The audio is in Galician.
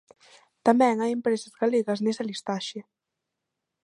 Tamén hai empresas galegas nesa listaxe.